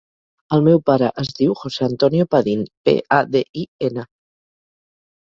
El meu pare es diu José antonio Padin: pe, a, de, i, ena.